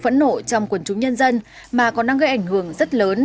nhưng cũng gây ảnh hưởng rất lớn